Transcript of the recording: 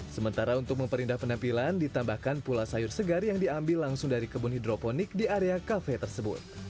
sementara untuk memperindah penampilan ditambahkan pula sayur segar yang diambil langsung dari kebun hidroponik di area kafe tersebut